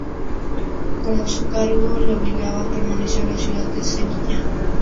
Como su cargo le obligaba, permaneció en la ciudad de Sevilla.